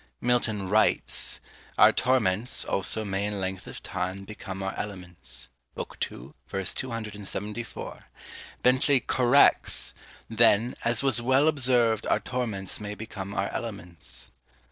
Milton writes, Our torments, also, may in length of time Become our elements. B. ii. ver. 274. Bentley corrects Then, AS WAS WELL OBSERV'D our torments may Become our elements.